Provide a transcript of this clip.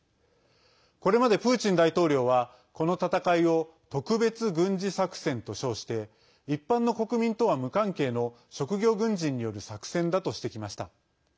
これまでプーチン大統領はこの戦いを特別軍事作戦と称して一般の国民とは無関係の職業軍人による作戦だとしてきました。